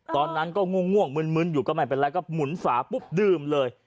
ตอนนั้นก็ง่วงมึนอยู่ก็ไม่เป็นไรก็หมุนฝาปุ๊บดื่มเลย